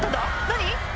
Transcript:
何？